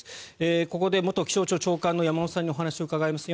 ここで元気象庁長官の山本さんに伺います。